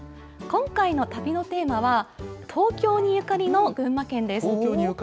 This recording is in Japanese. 今回の旅のテーマは、東京にゆかりの群馬県です。